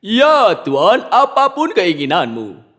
ya tuan apapun keinginanmu